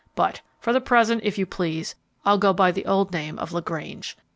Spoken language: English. But, for the present, if you please, I'll go by the old name of LaGrange.